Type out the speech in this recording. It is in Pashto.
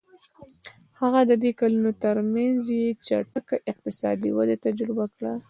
هغه د دې کلونو ترمنځ یې چټکه اقتصادي وده تجربه کړه.